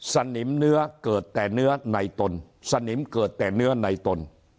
สนิมเนื้อเกิดแต่เนื้อในตนสนิมเกิดแต่เนื้อในตน